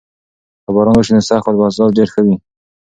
که باران وشي نو سږکال به حاصلات ډیر ښه وي.